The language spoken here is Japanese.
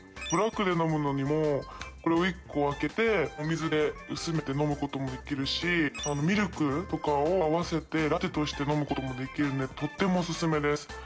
ブラックで飲むのにもこれを１個開けてお水で薄めて飲むこともできるし、ミルクとかを合わせて、ラテとして飲むこともできるんで、とってもオススメです。